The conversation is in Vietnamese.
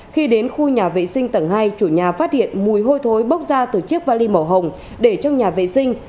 khi đến khu nhà vệ sinh tầng hai chủ nhà phát hiện mùi hôi thối bốc ra từ chiếc vali màu hồng để trong nhà vệ sinh